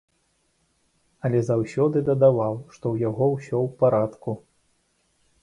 Але заўсёды дадаваў, што ў яго ўсё ў парадку.